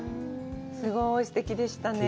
すごいすてきでしたね。